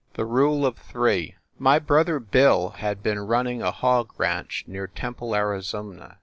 THE RULE OF THREE My brother Bill had been running a hog ranch near Temple, Arizona.